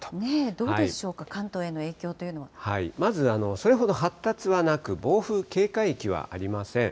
どうでしょうか、関東への影響というのは。まずそれほど発達はなく、暴風警戒域はありません。